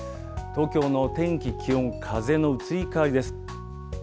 東京の天気、気温、風の移り変わりです。